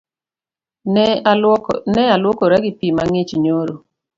Ne alwuokora gi pii mang’ich nyoro